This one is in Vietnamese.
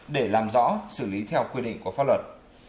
để làm rõ xử lý theo quy định của pháp luật